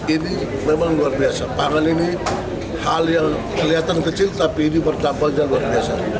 ini memang luar biasa pangan ini hal yang kelihatan kecil tapi ini bertambahnya luar biasa